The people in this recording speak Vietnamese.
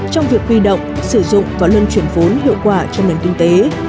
trong việc huy động sử dụng và luân chuyển vốn hiệu quả cho nền kinh tế